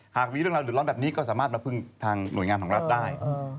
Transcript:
หากมีเรื่องราวเดือดร้อนแบบนี้ก็สามารถมาพึ่งทางหน่วยงานของรัฐได้